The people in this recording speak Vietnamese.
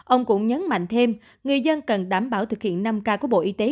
ông cũng nhấn mạnh thêm người dân cần đảm bảo thực hiện năm k của bộ y tế